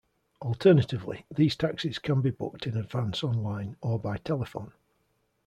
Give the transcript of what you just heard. Alternatively, these taxis can be booked in advance online or by telephone.